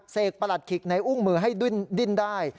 เสกประหลัดขิกในอุ้งมือให้ดิ้นได้